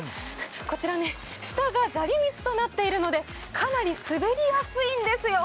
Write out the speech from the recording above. こちらね、下が砂利道となっているのでかなり滑りやすいんですよ。